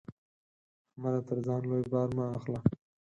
احمده! تر ځان لوی بار مه اخله.